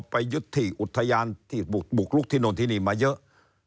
ไปยึดที่อุทยานที่บุกลุกที่โน่นที่นี่มาเยอะ